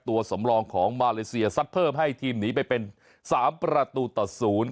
ตัวสำรองของมาเลเซียซัดเพิ่มให้ทีมหนีไปเป็น๓ประตูต่อ๐